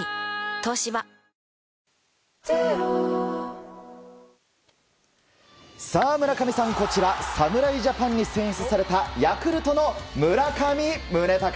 東芝村上さん、こちら侍ジャパンに選出されたヤクルトの村上宗隆。